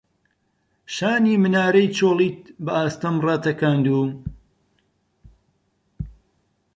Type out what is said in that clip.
شانی منارەی چۆلیت بە ئاستەم ڕاتەکاند و